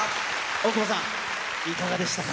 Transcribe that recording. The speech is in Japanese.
大久保さん、いかがでしたか。